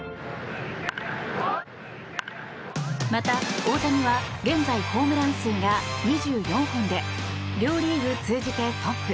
また大谷は現在ホームラン数が２４本で両リーグ通じてトップ。